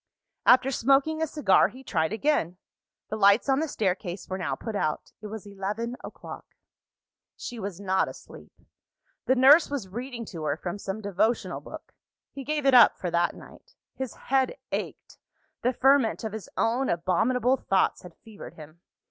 After smoking a cigar, he tried again. The lights on the staircase were now put out: it was eleven o'clock. She was not asleep: the nurse was reading to her from some devotional book. He gave it up, for that night. His head ached; the ferment of his own abominable thoughts had fevered him.